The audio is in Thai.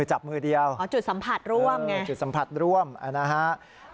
ใช่ค่ะจุดสัมผัสร่วมไงมือจับมือเดียว